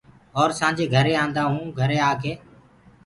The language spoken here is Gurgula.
اور سآنجي گھري آنٚدآ هونٚ گھري آڪي